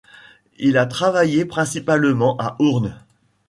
Il a travaillé principalement à Hoorn.